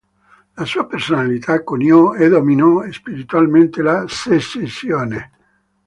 La sua personalità coniò e dominò spiritualmente la secessione.